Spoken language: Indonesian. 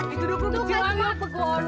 itu dukun kecil lagi apa kon